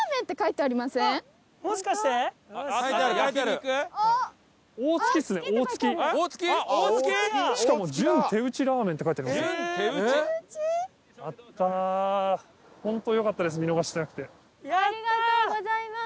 ありがとうございます。